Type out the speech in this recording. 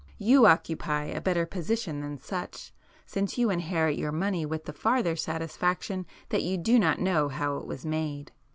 You occupy a better position than such, since you inherit your money with the farther satisfaction that you do not know how it was made."